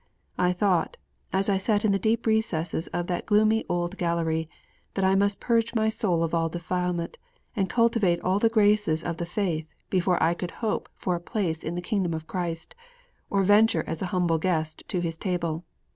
I thought, as I sat in the deep recesses of that gloomy old gallery, that I must purge my soul of all defilement, and cultivate all the graces of the faith, before I could hope for a place in the Kingdom of Christ or venture as a humble guest to His table.